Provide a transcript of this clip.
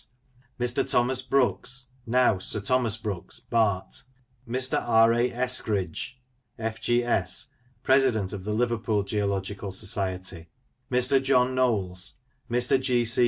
; Mr. Thomas Brooks (now Sir Thomas Brooks, Bart) ; Mr. R. A. Eskrigge, F.G.S., President of the Liverpool Geological Society; Mr. John Knowles; Mr. G. C.